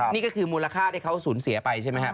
นี่ก็คือมูลค่าที่เขาสูญเสียไปใช่ไหมครับ